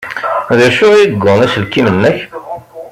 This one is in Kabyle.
D acu ay yuɣen aselkim-nnek?